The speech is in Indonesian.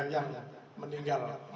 yang meninggal empat